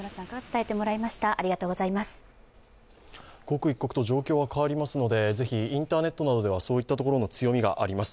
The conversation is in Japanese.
刻一刻と状況は変わりますのでぜひインターネットなどではそういったところの強みがあります。